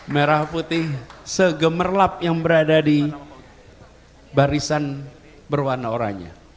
merah putih segemerlap yang berada di barisan berwarna oranye